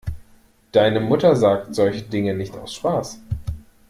Deine Mutter sagt solche Dinge nicht aus Spaß.